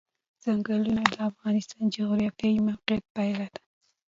ځنګلونه د افغانستان د جغرافیایي موقیعت پایله ده.